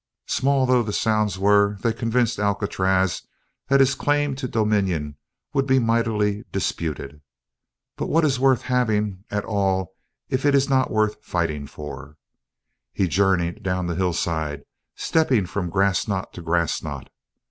Small though the sounds were, they convinced Alcatraz that his claim to dominion would be mightily disputed. But what is worth having at all if it is not worth fighting for? He journeyed down the hillside stepping from grass knot to grass knot.